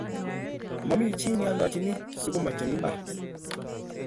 Mami chii nekealdochin sukuma che mii mbar